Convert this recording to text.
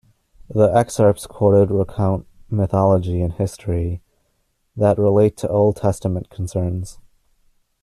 The excerpts quoted recount mythology and history that relate to Old Testament concerns.